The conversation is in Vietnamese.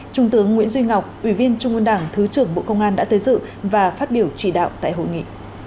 trung tướng nguyễn duy ngọc ủy viên trung ương đảng thứ trưởng bộ công an đã tới dự và phát biểu chỉ đạo tại hội nghị